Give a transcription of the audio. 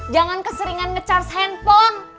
jangan keseringan ngecharge handphone